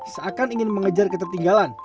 seakan ingin mengejar ketertinggalan